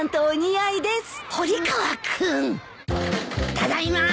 ただいま。